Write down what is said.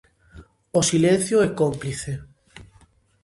O silencio é cómplice.